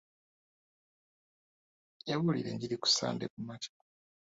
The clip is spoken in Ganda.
Yabuulira enjiri ku Sande kumakya.